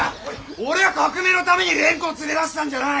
俺は革命のために蓮子を連れ出したんじゃない！